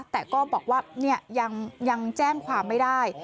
แต่ก็บอกว่ายังแจ้งความไม่ได้